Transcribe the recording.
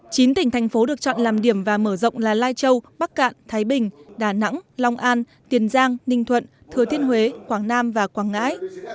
chín tỉnh thành phố được chọn làm điểm và mở rộng là lai châu bắc cạn thái bình đà nẵng long an tiền giang ninh thuận thừa thiên huế quảng nam và quảng ngãi